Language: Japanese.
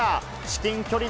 至近距離